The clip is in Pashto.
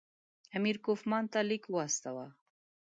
امیر کوفمان ته لیک واستاوه.